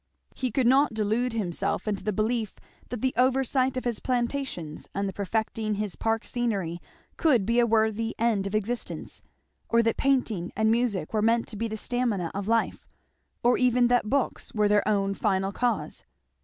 He could not delude himself into the belief that the oversight of his plantations and the perfecting his park scenery could be a worthy end of existence; or that painting and music were meant to be the stamina of life; or even that books were their own final cause.